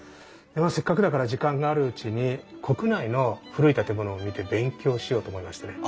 せっかくだから時間があるうちに国内の古い建物を見て勉強しようと思いましてね。